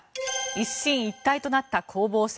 一進一退となった攻防戦。